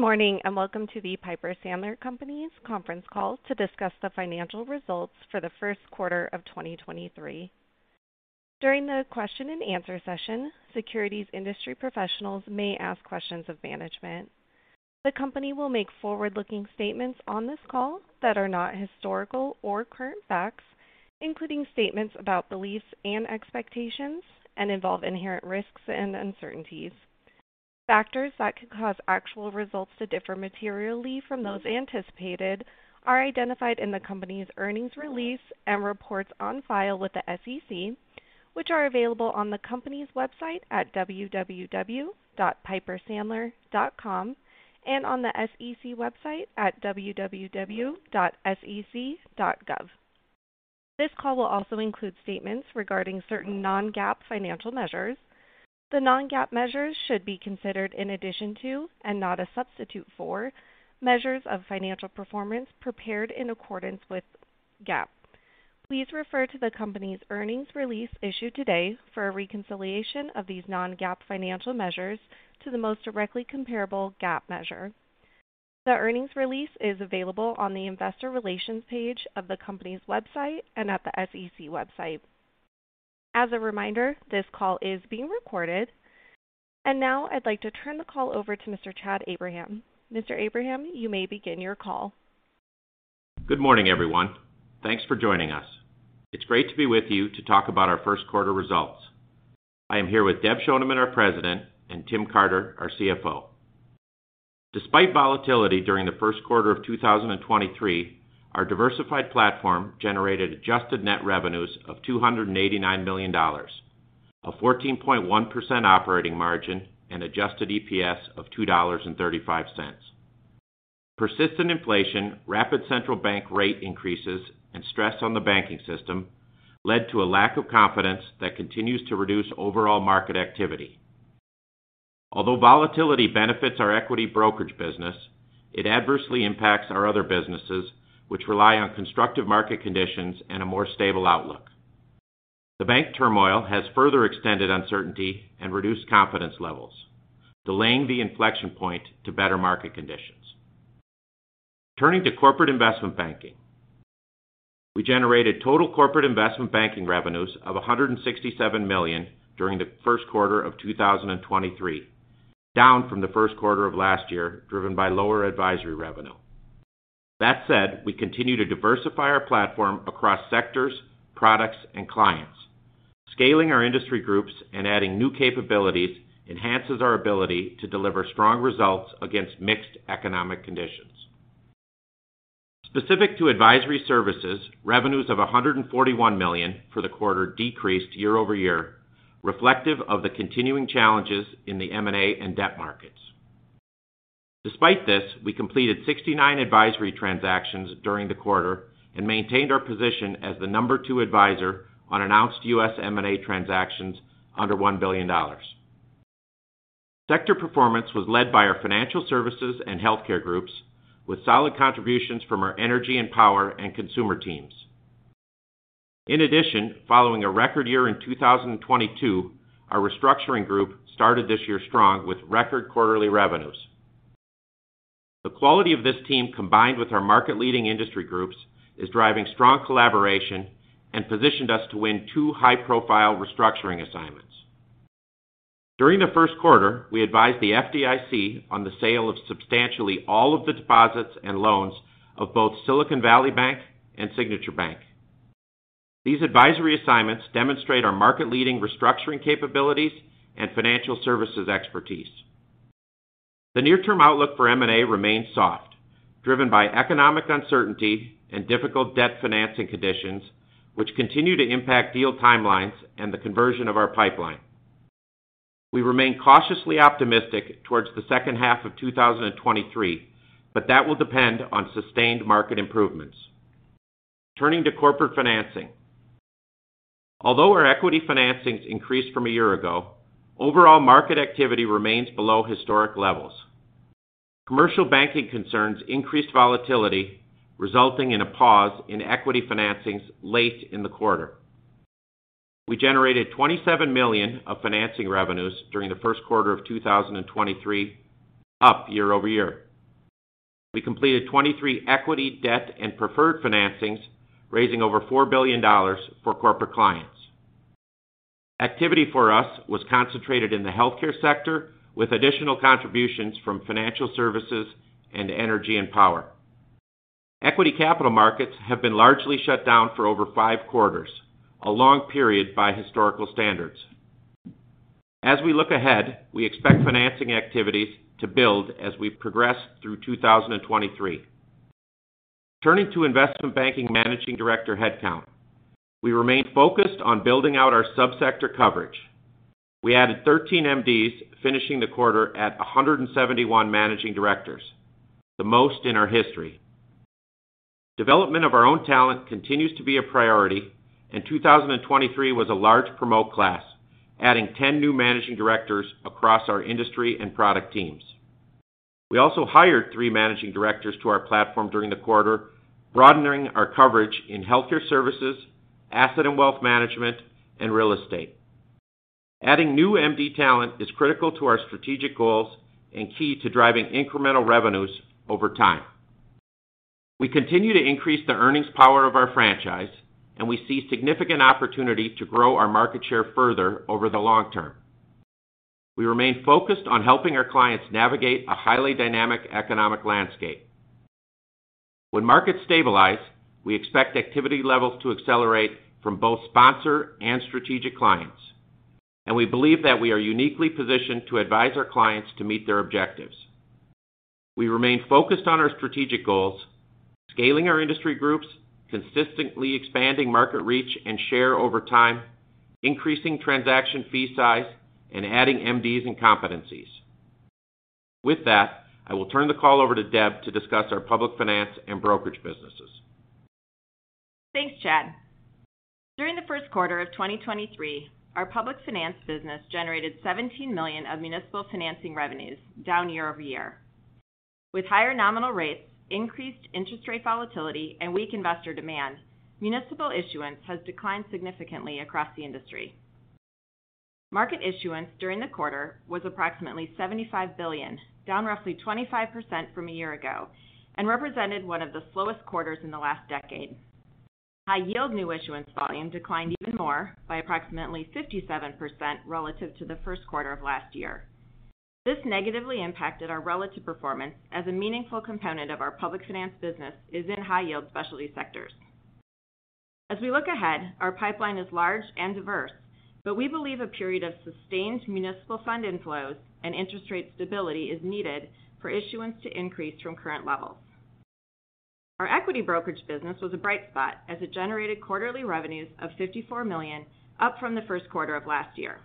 Good morning, and welcome to the Piper Sandler Companies conference call to discuss the financial results for the first quarter of 2023. During the question and answer session, securities industry professionals may ask questions of management. The company will make forward-looking statements on this call that are not historical or current facts, including statements about beliefs and expectations and involve inherent risks and uncertainties. Factors that could cause actual results to differ materially from those anticipated are identified in the company's earnings release, and reports on file with the SEC, which are available on the company's website at www.pipersandler.com, and on the SEC website at www.sec.gov. This call will also include statements regarding certain non-GAAP financial measures. The non-GAAP measures should be considered in addition to, and not a substitute for, measures of financial performance prepared in accordance with GAAP. Please refer to the company's earnings release issued today for a reconciliation of these non-GAAP financial measures to the most directly comparable GAAP measure. The earnings release is available on the investor relations page of the company's website and at the SEC website. As a reminder, this call is being recorded. Now I'd like to turn the call over to Mr. Chad Abraham. Mr. Abraham, you may begin your call. Good morning, everyone. Thanks for joining us. It's great to be with you to talk about our first quarter results. I am here with Deb Schoneman, our President, and Tim Carter, our CFO. Despite volatility during the first quarter of 2023, our diversified platform generated adjusted net revenues of $289 million, a 14.1% operating margin, and adjusted EPS of $2.35. Persistent inflation, rapid central bank rate increases, and stress on the banking system led to a lack of confidence that continues to reduce overall market activity. Although volatility benefits our equity brokerage business, it adversely impacts our other businesses, which rely on constructive market conditions and a more stable outlook. The bank turmoil has further extended uncertainty and reduced confidence levels, delaying the inflection point to better market conditions. Turning to corporate investment banking. We generated total corporate investment banking revenues of $167 million during the first quarter of 2023, down from the first quarter of last year, driven by lower advisory revenue. We continue to diversify our platform across sectors, products and clients. Scaling our industry groups and adding new capabilities enhances our ability to deliver strong results against mixed economic conditions. Specific to advisory services, revenues of $141 million for the quarter decreased year-over-year, reflective of the continuing challenges in the M&A and debt markets. Despite this, we completed 69 advisory transactions during the quarter and maintained our position as the number two advisor on announced U.S. M&A transactions under $1 billion. Sector performance was led by our financial services and healthcare groups, with solid contributions from our energy and power and consumer teams. In addition, following a record year in 2022, our restructuring group started this year strong with record quarterly revenues. The quality of this team, combined with our market-leading industry groups, is driving strong collaboration and positioned us to win two high-profile restructuring assignments. During the first quarter, we advised the FDIC on the sale of substantially all of the deposits and loans of both Silicon Valley Bank and Signature Bank. These advisory assignments demonstrate our market-leading restructuring capabilities and financial services expertise. The near-term outlook for M&A remains soft, driven by economic uncertainty and difficult debt financing conditions, which continue to impact deal timelines and the conversion of our pipeline. We remain cautiously optimistic towards the second half of 2023, but that will depend on sustained market improvements. Turning to corporate financing. Although our equity financings increased from a year ago, overall market activity remains below historic levels. Commercial banking concerns increased volatility, resulting in a pause in equity financings late in the quarter. We generated $27 million of financing revenues during the first quarter of 2023, up year-over-year. We completed 23 equity, debt and preferred financings, raising over $4 billion for corporate clients. Activity for us was concentrated in the healthcare sector, with additional contributions from financial services and energy and power. Equity Capital Markets have been largely shut down for over 5 quarters, a long period by historical standards. As we look ahead, we expect financing activities to build as we progress through 2023. Turning to investment banking Managing Director headcount. We remain focused on building out our sub-sector coverage. We added 13 MDs, finishing the quarter at 171 managing directors, the most in our history. Development of our own talent continues to be a priority, and 2023 was a large promote class, adding 10 new managing directors across our industry and product teams. We also hired 3 managing directors to our platform during the quarter, broadening our coverage in healthcare services, asset and wealth management, and real estate. Adding new MD talent is critical to our strategic goals and key to driving incremental revenues over time. We continue to increase the earnings power of our franchise, and we see significant opportunity to grow our market share further over the long term. We remain focused on helping our clients navigate a highly dynamic economic landscape. When markets stabilize, we expect activity levels to accelerate from both sponsor and strategic clients, and we believe that we are uniquely positioned to advise our clients to meet their objectives. We remain focused on our strategic goals, scaling our industry groups, consistently expanding market reach and share over time, increasing transaction fee size, and adding MDs and competencies. With that, I will turn the call over to Deb to discuss our public finance and brokerage businesses. Thanks, Chad. During the first quarter of 2023, our public finance business generated $17 million of municipal financing revenues, down year-over-year. With higher nominal rates, increased interest rate volatility, and weak investor demand, municipal issuance has declined significantly across the industry. Market issuance during the quarter was approximately $75 billion, down roughly 25% from a year ago, and represented one of the slowest quarters in the last decade. High-yield new issuance volume declined even more by approximately 57% relative to the first quarter of last year. This negatively impacted our relative performance as a meaningful component of our public finance business is in high-yield specialty sectors. As we look ahead, our pipeline is large and diverse, but we believe a period of sustained municipal fund inflows and interest rate stability is needed for issuance to increase from current levels. Our equity brokerage business was a bright spot as it generated quarterly revenues of $54 million, up from the first quarter of last year.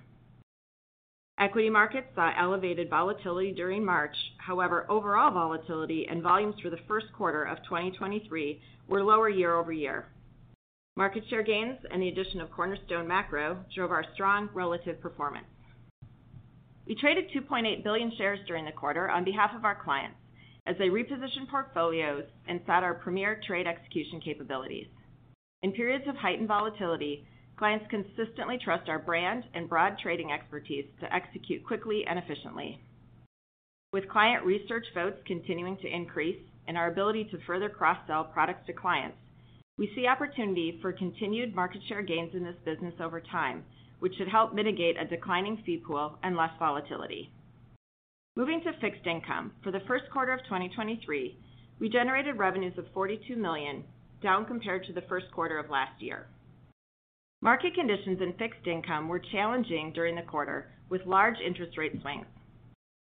Equity markets saw elevated volatility during March. However, overall volatility and volumes for the first quarter of 2023 were lower year-over-year. Market share gains and the addition of Cornerstone Macro drove our strong relative performance. We traded 2.8 billion shares during the quarter on behalf of our clients as they repositioned portfolios and set our premier trade execution capabilities. In periods of heightened volatility, clients consistently trust our brand and broad trading expertise to execute quickly and efficiently. With client research votes continuing to increase and our ability to further cross-sell products to clients, we see opportunity for continued market share gains in this business over time, which should help mitigate a declining fee pool and less volatility. Moving to fixed income, for the first quarter of 2023, we generated revenues of $42 million, down compared to the first quarter of last year. Market conditions in fixed income were challenging during the quarter with large interest rate swings.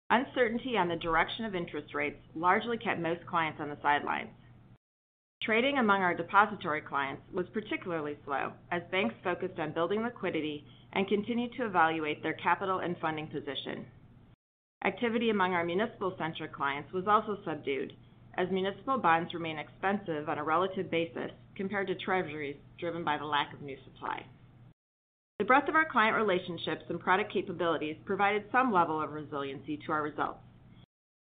Uncertainty on the direction of interest rates largely kept most clients on the sidelines. Trading among our depository clients was particularly slow as banks focused on building liquidity and continued to evaluate their capital and funding position. Activity among our municipal-centric clients was also subdued as municipal bonds remain expensive on a relative basis compared to treasuries driven by the lack of new supply. The breadth of our client relationships and product capabilities provided some level of resiliency to our results.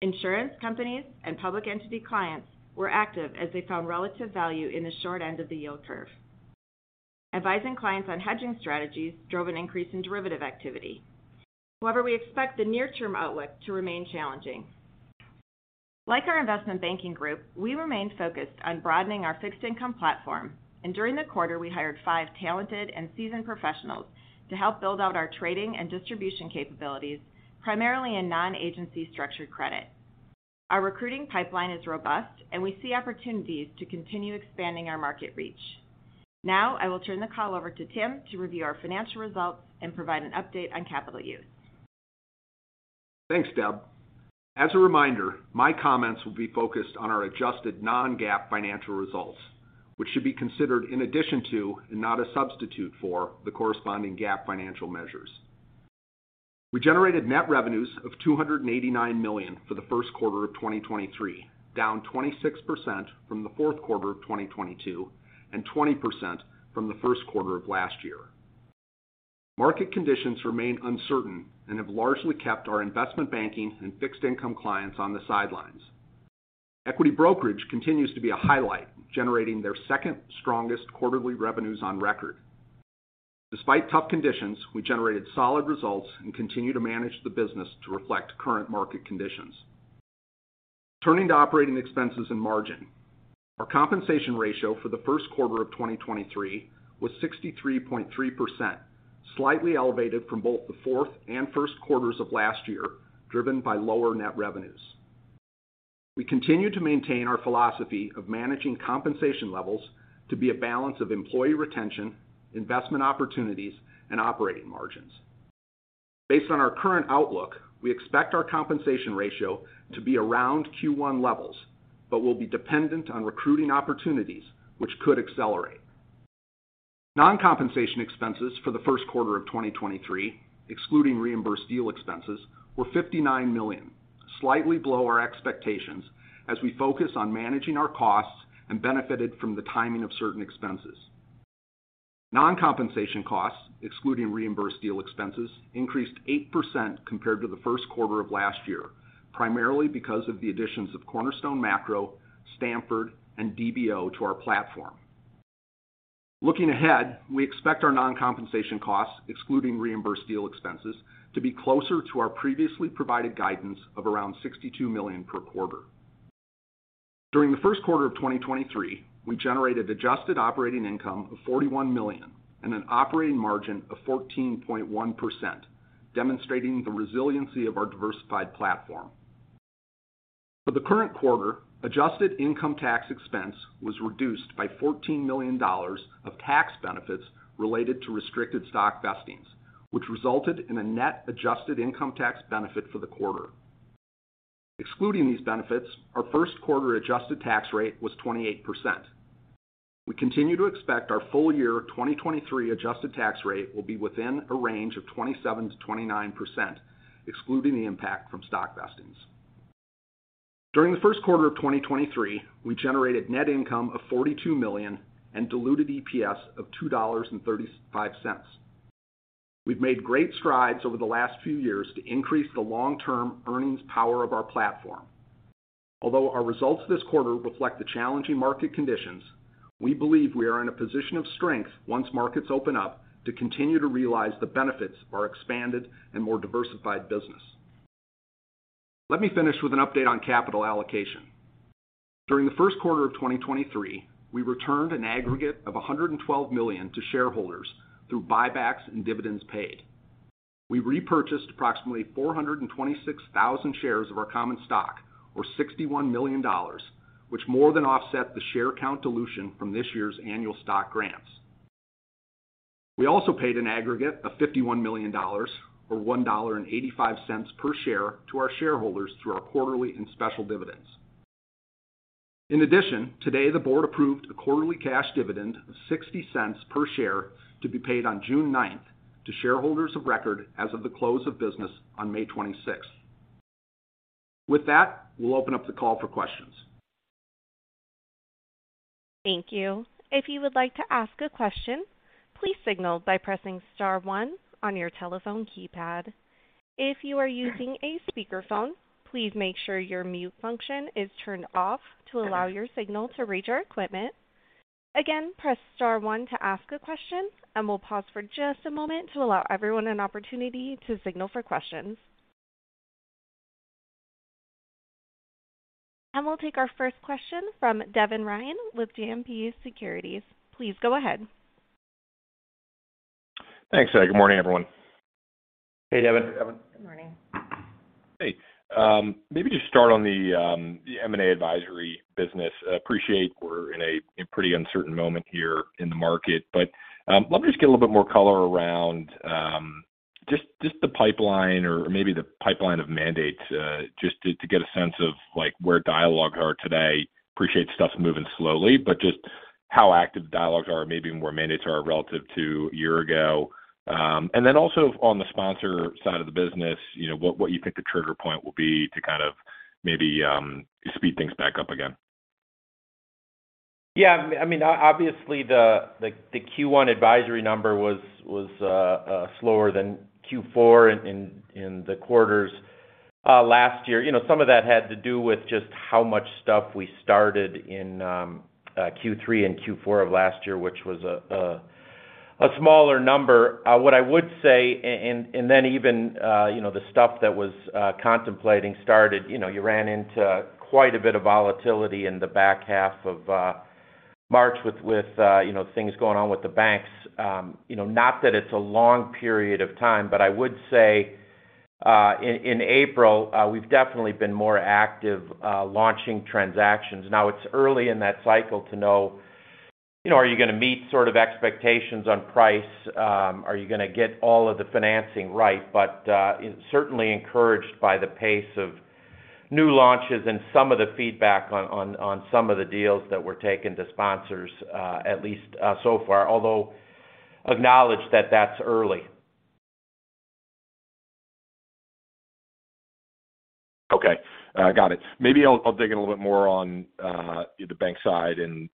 Insurance companies and public entity clients were active as they found relative value in the short end of the yield curve. Advising clients on hedging strategies drove an increase in derivative activity. However, we expect the near-term outlook to remain challenging. Like our investment banking group, we remained focused on broadening our fixed income platform, and during the quarter, we hired five talented and seasoned professionals to help build out our trading and distribution capabilities, primarily in non-agency structured credit. Our recruiting pipeline is robust, and we see opportunities to continue expanding our market reach. Now, I will turn the call over to Tim to review our financial results and provide an update on capital use. Thanks, Deb. As a reminder, my comments will be focused on our adjusted non-GAAP financial results, which should be considered in addition to and not a substitute for the corresponding GAAP financial measures. We generated net revenues of $289 million for the first quarter of 2023, down 26% from the fourth quarter of 2022, and 20% from the first quarter of last year. Market conditions remain uncertain and have largely kept our investment banking and fixed income clients on the sidelines. Equity brokerage continues to be a highlight, generating their second-strongest quarterly revenues on record. Despite tough conditions, we generated solid results and continue to manage the business to reflect current market conditions. Turning to operating expenses and margin. Our compensation ratio for the first quarter of 2023 was 63.3%, slightly elevated from both the fourth and first quarters of last year, driven by lower net revenues. We continue to maintain our philosophy of managing compensation levels to be a balance of employee retention, investment opportunities, and operating margins. Based on our current outlook, we expect our compensation ratio to be around Q1 levels, but will be dependent on recruiting opportunities which could accelerate. Non-compensation expenses for the first quarter of 2023, excluding reimbursed deal expenses, were $59 million, slightly below our expectations as we focus on managing our costs and benefited from the timing of certain expenses. Non-compensation costs, excluding reimbursed deal expenses, increased 8% compared to the first quarter of last year, primarily because of the additions of Cornerstone Macro, Stamford, and DBO to our platform. Looking ahead, we expect our non-compensation costs, excluding reimbursed deal expenses, to be closer to our previously provided guidance of around $62 million per quarter. During the first quarter of 2023, we generated adjusted operating income of $41 million and an operating margin of 14.1%, demonstrating the resiliency of our diversified platform. For the current quarter, adjusted income tax expense was reduced by $14 million of tax benefits related to restricted stock vestings, which resulted in a net adjusted income tax benefit for the quarter. Excluding these benefits, our first quarter adjusted tax rate was 28%. We continue to expect our full year 2023 adjusted tax rate will be within a range of 27%-29%, excluding the impact from stock vestings. During the first quarter of 2023, we generated net income of $42 million and diluted EPS of $2.35. We've made great strides over the last few years to increase the long-term earnings power of our platform. Our results this quarter reflect the challenging market conditions, we believe we are in a position of strength once markets open up to continue to realize the benefits of our expanded and more diversified business. Let me finish with an update on capital allocation. During the first quarter of 2023, we returned an aggregate of $112 million to shareholders through buybacks and dividends paid. We repurchased approximately 426,000 shares of our common stock, or $61 million, which more than offset the share count dilution from this year's annual stock grants. We also paid an aggregate of $51 million, or $1.85 per share to our shareholders through our quarterly and special dividends. In addition, today the board approved a quarterly cash dividend of $0.60 per share to be paid on June 9th to shareholders of record as of the close of business on May 26th. With that, we'll open up the call for questions. Thank you. If you would like to ask a question, please signal by pressing star one on your telephone keypad. If you are using a speakerphone, please make sure your mute function is turned off to allow your signal to reach our equipment. Again, press star one to ask a question, and we'll pause for just a moment to allow everyone an opportunity to signal for questions. We'll take our first question from Devin Ryan with JMP Securities. Please go ahead. Thanks. Good morning, everyone. Hey, Devin. Good morning. Hey. Maybe just start on the M&A advisory business. Appreciate we're in a pretty uncertain moment here in the market. Love to just get a little bit more color around just the pipeline or maybe the pipeline of mandates, just to get a sense of like where dialogue are today. Appreciate stuff's moving slowly, but just how active dialogues are and maybe where mandates are relative to a year ago. Also on the sponsor side of the business what you think the trigger point will be to kind of maybe speed things back up again. Yeah, I mean, obviously, the, like, the Q1 advisory number was slower than Q4 in the quarters last year. You know, some of that had to do with just how much stuff we started in Q3 and Q4 of last year, which was a smaller number. What I would say, and then even the stuff that was contemplating started you ran into quite a bit of volatility in the back half of March with things going on with the banks. You know, not that it's a long period of time, but I would say, in April, we've definitely been more active launching transactions. It's early in that cycle to know are you gonna meet sort of expectations on price? Are you gonna get all of the financing right? Certainly encouraged by the pace of new launches and some of the feedback on some of the deals that were taken to sponsors, at least, so far. Although acknowledge that that's early. Okay. got it. Maybe I'll dig in a little bit more on the bank side and,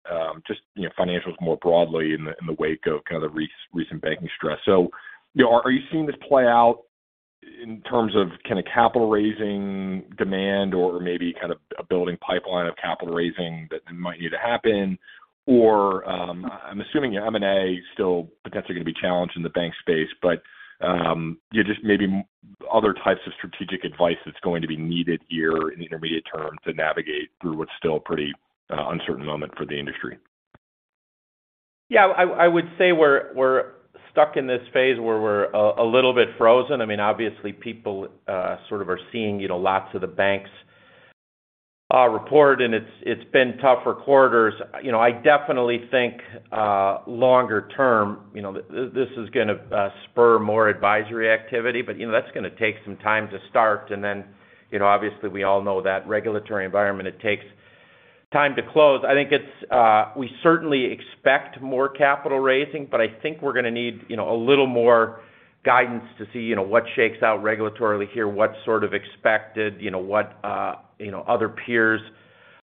just financials more broadly in the, in the wake of kind of the recent banking stress. you know, are you seeing this play out in terms of kind of capital raising demand or maybe kind of a building pipeline of capital raising that might need to happen? I'm assuming your M&A is still potentially gonna be challenged in the bank space, but, yeah, just maybe other types of strategic advice that's going to be needed here in the intermediate term to navigate through what's still a pretty, uncertain moment for the industry. Yeah, I would say we're stuck in this phase where we're a little bit frozen. I mean, obviously, people sort of are seeing lots of the banks report, and it's been tough for quarters. You know, I definitely think longer term this is gonna spur more advisory activity, but that's gonna take some time to start. then obviously, we all know that regulatory environment, it takes time to close. I think it's we certainly expect more capital raising, but I think we're gonna need a little more guidance to see what shakes out regulatorily here, what's sort of expected what other peers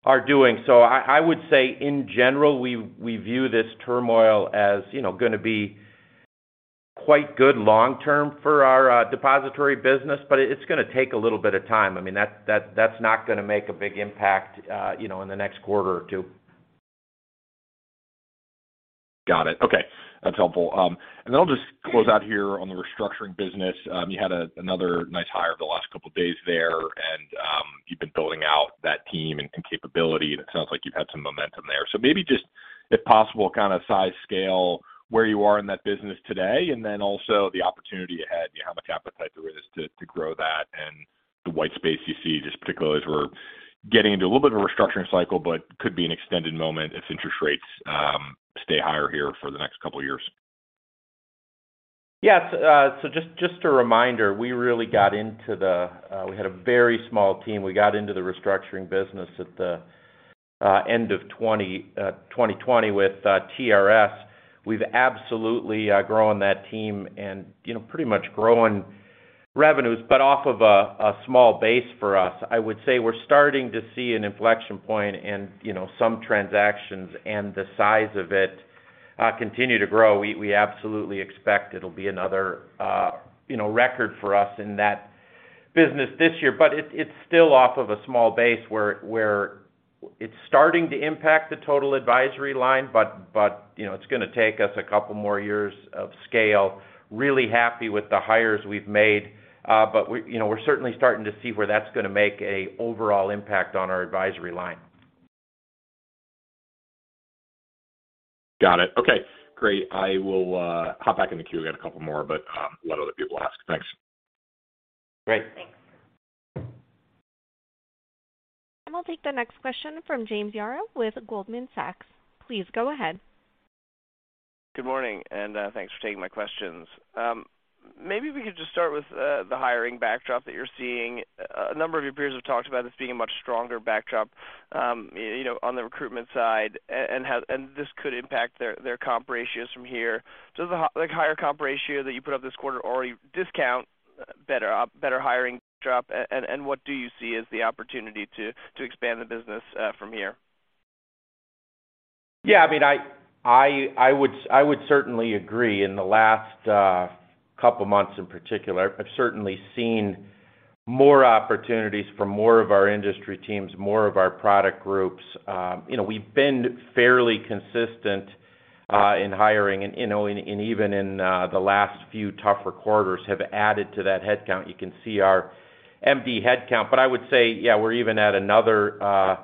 are doing. I would say in general, we view this turmoil as gonna be Quite good long term for our depository business, but it's gonna take a little bit of time. I mean, that's not gonna make a big impact in the next quarter or two. Got it. Okay, that's helpful. I'll just close out here on the restructuring business. You had another nice hire over the last couple days there and you've been building out that team and capability and it sounds like you've had some momentum there. Maybe just, if possible, kind of size scale where you are in that business today, and then also the opportunity ahead how much appetite there is to grow that and the white space you see just particularly as we're getting into a little bit of a restructuring cycle, but could be an extended moment if interest rates stay higher here for the next couple years. Yes. Just a reminder, we really got into the, we had a very small team. We got into the restructuring business at the end of 2020 with TRS. We've absolutely grown that team and pretty much grown revenues, but off of a small base for us. I would say we're starting to see an inflection point and some transactions and the size of it continue to grow. We absolutely expect it'll be another record for us in that business this year. It's still off of a small base where it's starting to impact the total advisory line. You know, it's gonna take us a couple more years of scale. Really happy with the hires we've made, but we we're certainly starting to see where that's gonna make a overall impact on our advisory line. Got it. Okay, great. I will hop back in the queue. We got a couple more. Let other people ask. Thanks. Great. Thanks. We'll take the next question from James Yaro with Goldman Sachs. Please go ahead. Good morning. Thanks for taking my questions. Maybe we could just start with the hiring backdrop that you're seeing. A number of your peers have talked about this being a much stronger backdrop on the recruitment side, and this could impact their comp ratios from here. Does like the higher comp ratio that you put up this quarter already discount better hiring backdrop? What do you see as the opportunity to expand the business from here? Yeah, I mean, I would certainly agree. In the last couple months in particular, I've certainly seen more opportunities for more of our industry teams, more of our product groups. You know, we've been fairly consistent in hiring and and even in the last few tougher quarters have added to that headcount. You can see our MD headcount. I would say, yeah, we're even at another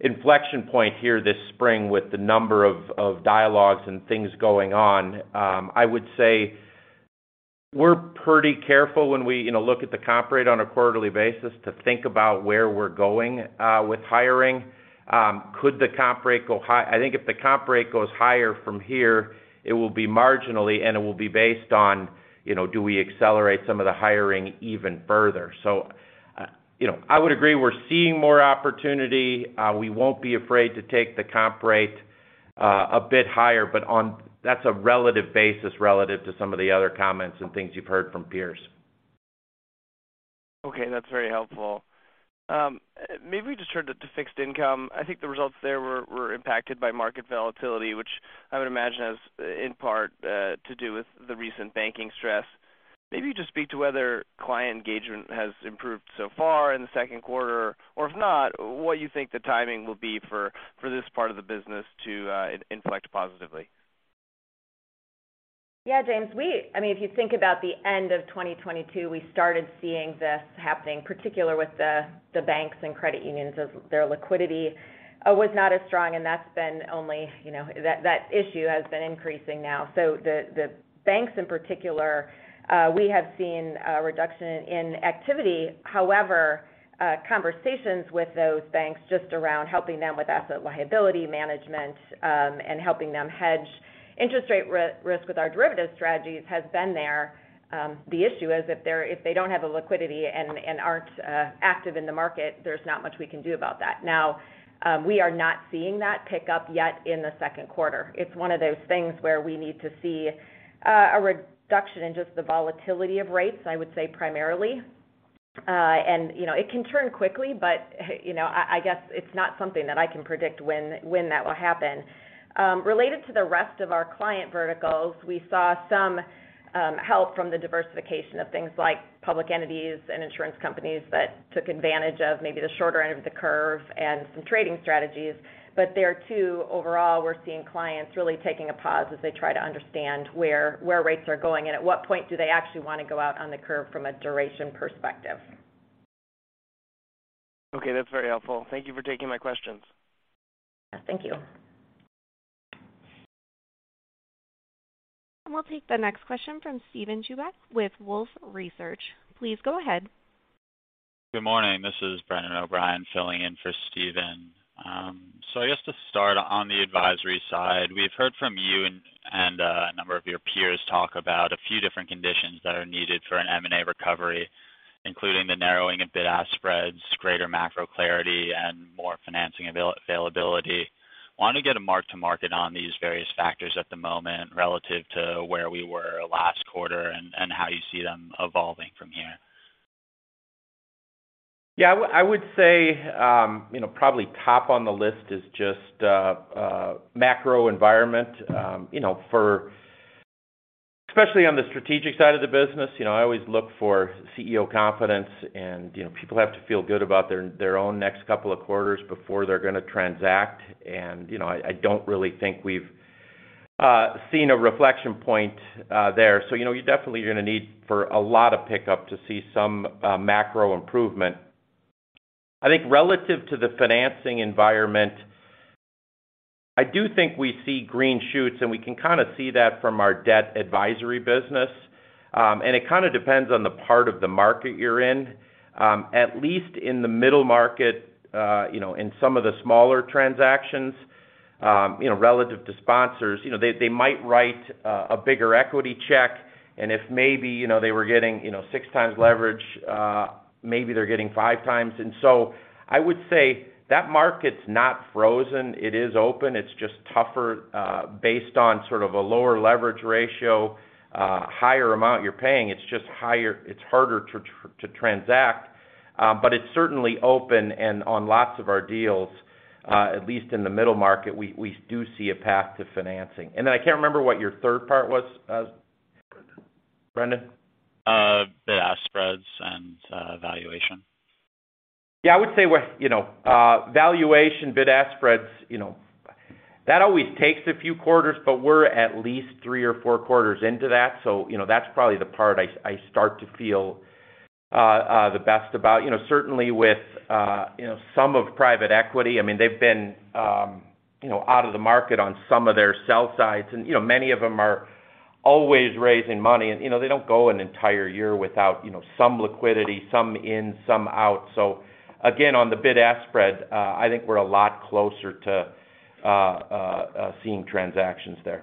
inflection point here this spring with the number of dialogues and things going on. I would say we're pretty careful when we look at the comp rate on a quarterly basis to think about where we're going with hiring. Could the comp rate go high? I think if the comp rate goes higher from here, it will be marginally, and it will be based on do we accelerate some of the hiring even further. you know, I would agree, we're seeing more opportunity. We won't be afraid to take the comp rate, a bit higher, but that's a relative basis relative to some of the other comments and things you've heard from peers. Okay, that's very helpful. Maybe just turn to fixed income. I think the results there were impacted by market volatility, which I would imagine has in part to do with the recent banking stress. Maybe just speak to whether client engagement has improved so far in the second quarter, or if not, what you think the timing will be for this part of the business to inflect positively? James, we I mean, if you think about the end of 2022, we started seeing this happening, particular with the banks and credit unions as their liquidity was not as strong, and that's been only that issue has been increasing. The banks in particular, we have seen a reduction in activity. Conversations with those banks just around helping them with asset liability management, and helping them hedge interest rate risk with our derivative strategies has been there. The issue is if they don't have the liquidity and aren't active in the market, there's not much we can do about that. We are not seeing that pick up yet in the second quarter. It's one of those things where we need to see a reduction in just the volatility of rates, I would say primarily. You know, it can turn quickly, but I guess it's not something that I can predict when that will happen. Related to the rest of our client verticals, we saw some help from the diversification of things like public entities and insurance companies that took advantage of maybe the shorter end of the curve and some trading strategies. There too, overall, we're seeing clients really taking a pause as they try to understand where rates are going and at what point do they actually wanna go out on the curve from a duration perspective. Okay, that's very helpful. Thank you for taking my questions. Thank you. We'll take the next question from Steven Chubak with Wolfe Research. Please go ahead. Good morning. This is Brendan O'Brien filling in for Steven. I guess to start on the advisory side, we've heard from you and a number of your peers talk about a few different conditions that are needed for an M&A recovery, including the narrowing of bid-ask spreads, greater macro clarity, and more financing availability. Want to get a mark to market on these various factors at the moment relative to where we were last quarter and how you see them evolving. I would say probably top on the list is just macro environment, you know. Especially on the strategic side of the business I always look for CEO confidence and people have to feel good about their own next couple of quarters before they're gonna transact. You know, I don't really think we've seen a reflection point there. You know, you definitely gonna need for a lot of pickup to see some macro improvement. I think relative to the financing environment, I do think we see green shoots, and we can kinda see that from our debt advisory business. It kinda depends on the part of the market you're in. At least in the middle market, in some of the smaller transactions, relative to sponsors, they might write a bigger equity check. If maybe they were getting 6 times leverage, maybe they're getting 5 times. I would say that market's not frozen. It is open. It's just tougher, based on a lower leverage ratio, higher amount you're paying. It's just harder to transact. It's certainly open. On lots of our deals, at least in the middle market, we do see a path to financing. I can't remember what your third part was, Brendan. bid-ask spreads and valuation. Yeah, I would say we're valuation bid-ask spreads that always takes a few quarters, but we're at least 3 or 4 quarters into that. You know, that's probably the part I start to feel the best about. You know, certainly with some of private equity, I mean, they've been out of the market on some of their sell sides. You know, many of them are always raising money and they don't go an entire year without some liquidity, some in, some out. Again, on the bid-ask spread, I think we're a lot closer to seeing transactions there.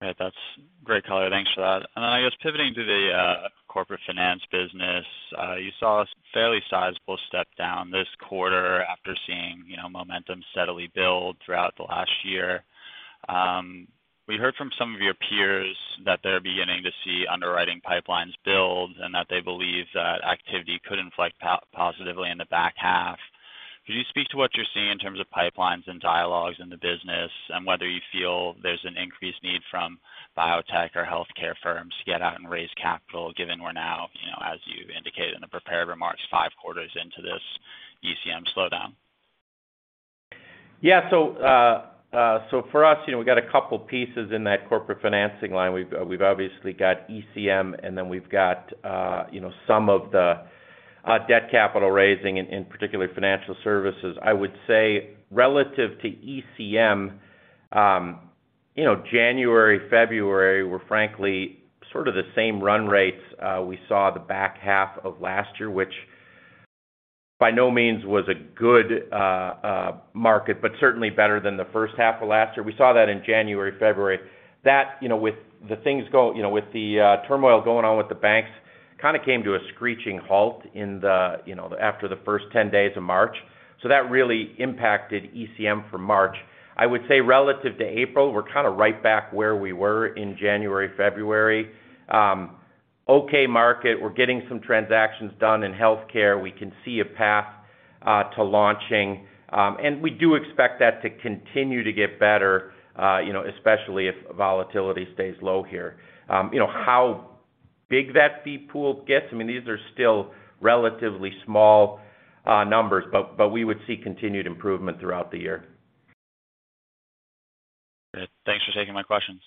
Right. That's great color. Thanks for that. I guess pivoting to the corporate finance business. You saw a fairly sizable step down this quarter after seeing momentum steadily build throughout the last year. We heard from some of your peers that they're beginning to see underwriting pipelines build and that they believe that activity could inflect positively in the back half. Could you speak to what you're seeing in terms of pipelines and dialogues in the business and whether you feel there's an increased need from biotech or healthcare firms to get out and raise capital, given we're now as you indicated in the prepared remarks, five quarters into this ECM slowdown? For us we've got a couple pieces in that corporate financing line. We've obviously got ECM, and then we've got some of the debt capital raising in particular financial services. I would say relative to ecm January, February were frankly sort of the same run rates we saw the back half of last year, which by no means was a good market, but certainly better than the first half of last year. We saw that in January, February. that with the turmoil going on with the banks, kinda came to a screeching halt in the after the first 10 days of March. That really impacted ECM for March. I would say relative to April, we're kinda right back where we were in January, February. Okay market. We're getting some transactions done in healthcare. We can see a path to launching. We do expect that to continue to get better especially if volatility stays low here. You know, how big that fee pool gets, I mean, these are still relatively small numbers, but we would see continued improvement throughout the year. Good. Thanks for taking my questions.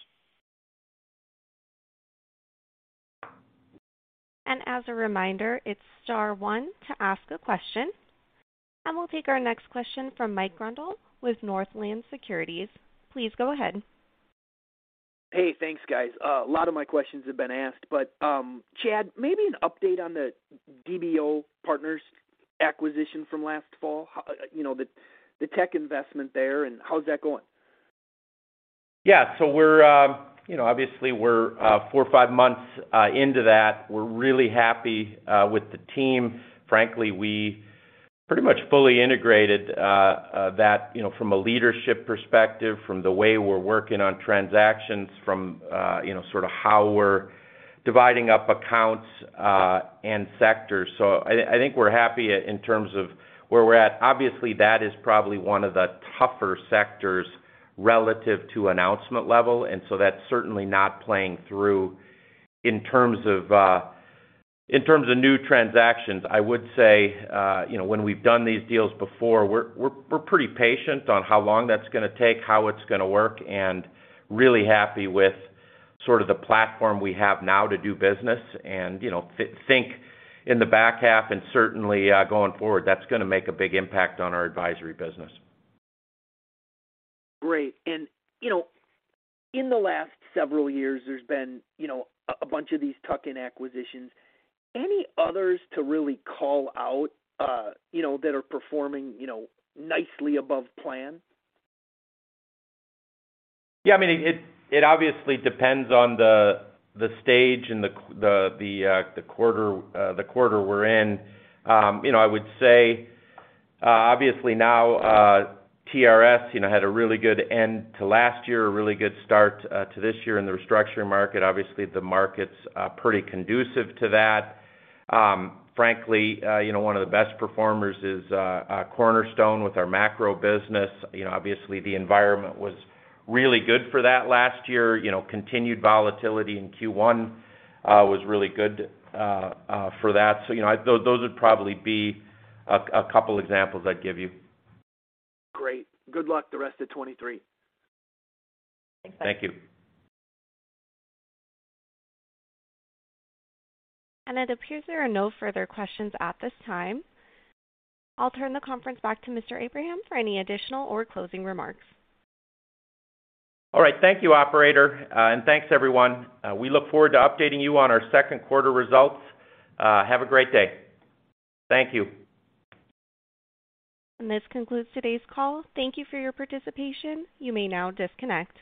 As a reminder, it's star one to ask a question. We'll take our next question from Mike Grondahl with Northland Securities. Please go ahead. Hey, thanks, guys. A lot of my questions have been asked, but Chad, maybe an update on the DBO Partners acquisition from last fall. You know, the tech investment there, and how's that going? Yeah. we're obviously we're 4 or 5 months into that. We're really happy with the team. Frankly, we pretty much fully integrated that from a leadership perspective, from the way we're working on transactions from sort of how we're dividing up accounts and sectors. I think we're happy in terms of where we're at. Obviously, that is probably one of the tougher sectors relative to announcement level, that's certainly not playing through in terms of new transactions. I would say when we've done these deals before, we're pretty patient on how long that's gonna take, how it's gonna work, and really happy with sort of the platform we have now to do business. You know, think in the back half and certainly, going forward, that's gonna make a big impact on our advisory business. Great. you know, in the last several years, there's been a bunch of these tuck-in acquisitions. Any others to really call out that are performing nicely above plan? I mean, it obviously depends on the stage and the quarter we're in. You know, I would say, obviously now, trs had a really good end to last year, a really good start to this year in the restructuring market. Obviously, the market's pretty conducive to that. frankly one of the best performers is Cornerstone with our macro business. You know, obviously the environment was really good for that last year. You know, continued volatility in Q1 was really good for that. You know, those would probably be a couple examples I'd give you. Great. Good luck the rest of 2023. Thank you. It appears there are no further questions at this time. I'll turn the conference back to Mr. Abraham for any additional or closing remarks. All right. Thank you, operator. Thanks, everyone. We look forward to updating you on our second quarter results. Have a great day. Thank you. This concludes today's call. Thank you for your participation. You may now disconnect.